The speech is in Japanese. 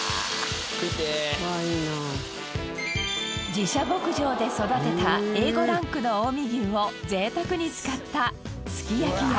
自社牧場で育てたＡ５ランクの近江牛を贅沢に使ったすき焼きや。